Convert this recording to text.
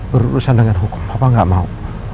berurusan dengan hukum papa ga mau